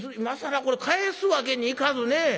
これ返すわけにいかずねえ。